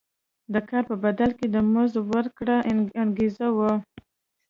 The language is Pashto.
د کار په بدل کې د مزد ورکړه انګېزه وه.